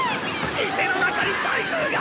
・・店の中に台風が！